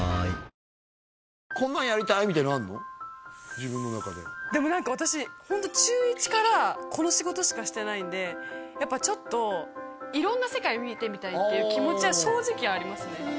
自分の中ででも何か私ホント中１からこの仕事しかしてないんでやっぱちょっと色んな世界を見てみたいっていう気持ちは正直ありますね